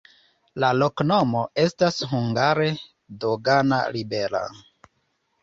La loknomo estas hungare: dogana-libera.